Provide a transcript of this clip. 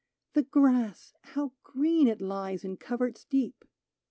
The grass — how green it hes in coverts deep